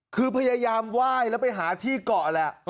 คือพยายามไหว้แล้วไปหาที่เกาะแหละ